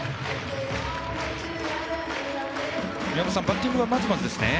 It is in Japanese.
宮本さん、バッティングはまずまずですね。